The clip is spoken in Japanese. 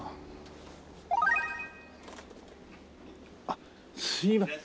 あっすいません。